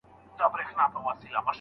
د پديدو پېژندل مهم کار دی.